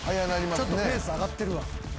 ちょっとペース上がってるわ。